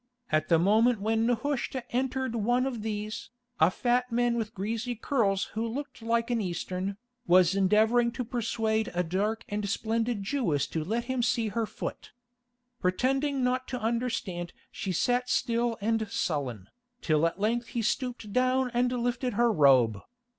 At the moment when Nehushta entered one of these, a fat man with greasy curls who looked like an Eastern, was endeavouring to persuade a dark and splendid Jewess to let him see her foot. Pretending not to understand she sat still and sullen, till at length he stooped down and lifted her robe.